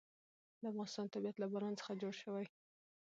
د افغانستان طبیعت له باران څخه جوړ شوی دی.